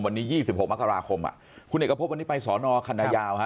วันนี้๒๖มกราคมคุณเอกพบวันนี้ไปสอนอคันนายาวฮะ